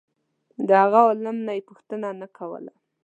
د هغه عالم نه یې پوښتنه نه کوله.